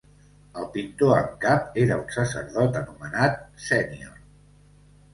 El pintor en cap era un sacerdot anomenat Senior.